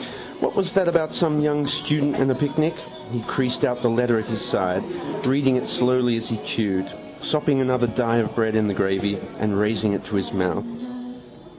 What was that about some young student and a picnic? He creased out the letter at his side, reading it slowly as he chewed, sopping another die of bread in the gravy and raising it to his mouth.